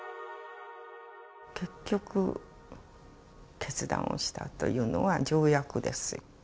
結局決断をしたというのは条約ですよ。